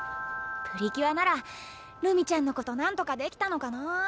プリキュアならるみちゃんのことなんとかできたのかなあ。